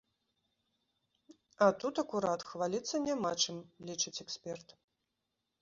А тут, акурат, хваліцца няма чым, лічыць эксперт.